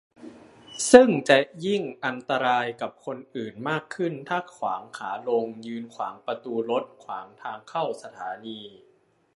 ซึ่งจะยิ่งอันตรายกับคนอื่นมากขึ้นถ้าขวางขาลง ยืนขวางประตูรถ ขวางทางเข้าสถานี